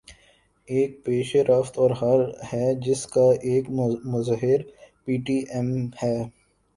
ایک پیش رفت اور ہے جس کا ایک مظہر پی ٹی ایم ہے۔